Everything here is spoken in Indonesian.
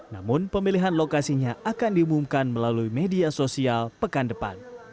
namun pemilihan lokasinya akan diumumkan melalui media sosial pekan depan